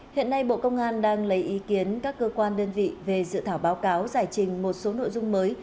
hiện nay bộ công an đang lấy ý kiến các cơ quan đơn vị về dự thảo báo cáo giải trình một số nội dung mới